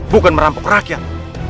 bukan merampok rakyat